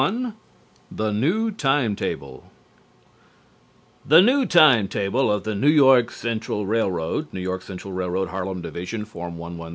XLI THE NEW TIME TABLE The new time table of the New York Central Railroad (New York Central Railroad, Harlem Division. Form 113.